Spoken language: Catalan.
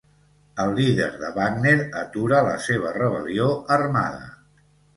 El líder de Wagner atura la seva rebel·lió armada